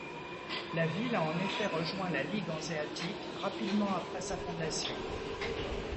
La ville a en effet rejoint la ligue hanséatique rapidement après sa fondation.